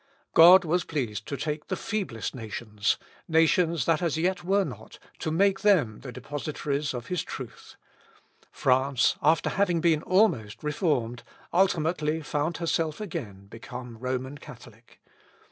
God was pleased to take the feeblest nations, nations that as yet were not, to make them the depositaries of his truth. France, after having been almost reformed, ultimately found herself again become Roman Catholic.